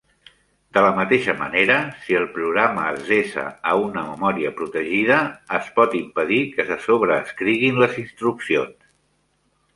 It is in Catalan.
De la mateixa manera, si el programa es desa a una memòria protegida, es pot impedir que se sobreescriguin les instruccions.